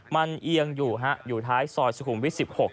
มันเอียงอยู่ฮะอยู่ท้ายซอยสุขุมวิทย์๑๖